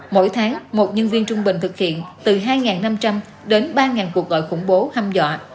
mỗi tháng một nhân viên trung bình thực hiện từ hai năm trăm linh đến ba cuộc gọi khủng bố hâm dọa